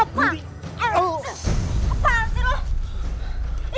apaan sih lu